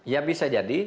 ya bisa jadi